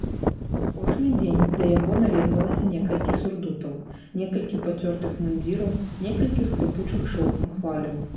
Кожны дзень да яго наведвалася некалькі сурдутаў, некалькі пацёртых мундзіраў, некалькі скрыпучых шоўкам хваляў.